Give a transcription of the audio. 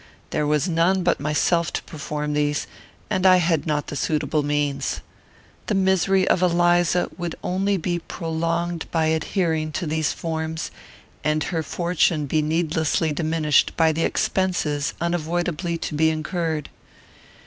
There was none but myself to perform these, and I had not the suitable means. The misery of Eliza would only be prolonged by adhering to these forms, and her fortune be needlessly diminished by the expenses unavoidably to be incurred.